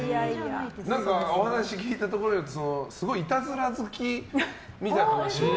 何か、お話を聞いたところではすごい、いたずら好きみたいな？